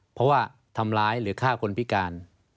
เพราะว่าทำร้ายหรือฆ่าคนพิการ